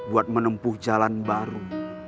buat menempuh jalan baru